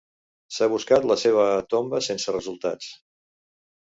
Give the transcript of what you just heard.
S'ha buscat la seva tomba sense resultats.